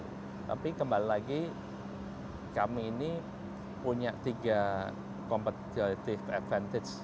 tapi kembali lagi kami ini punya tiga competitive advantage